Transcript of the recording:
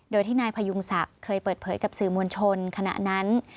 โดยที่นายพยุงศักดิ์เคยเปิดเผยกับสื่อมวลชนขณะนั้น